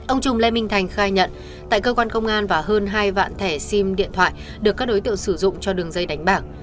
ông trung lê minh thành khai nhận tại cơ quan công an và hơn hai vạn thẻ sim điện thoại được các đối tượng sử dụng cho đường dây đánh bạc